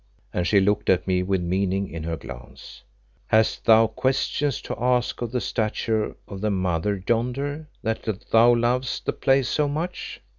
and she looked at me with meaning in her glance. "Hast thou questions to ask of the statue of the Mother yonder that thou lovest the place so much?